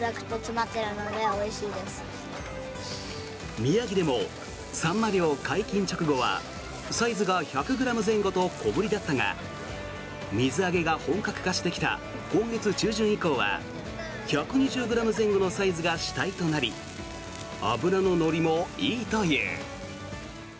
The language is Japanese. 宮城でもサンマ漁解禁直後はサイズが１００ｇ前後と小ぶりだったが水揚げが本格化してきた今月中旬以降は１２０ｇ前後のサイズが主体となり脂の乗りもいいという。